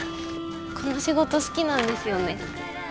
この仕事好きなんですよね。